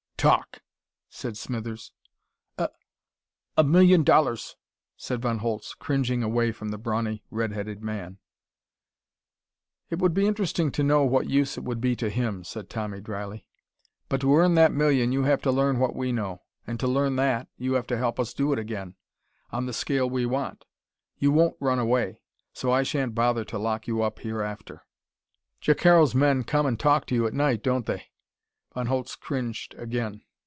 "Talk!" said Smithers. "A a million dollars," said Von Holtz, cringing away from the brawny red headed man. "It would be interesting to know what use it would be to him," said Tommy dryly. "But to earn that million you have to learn what we know. And to learn that, you have to help us do it again, on the scale we want. You won't run away. So I shan't bother to lock you up hereafter. Jacaro's men come and talk to you at night, don't they?" Von Holtz cringed again.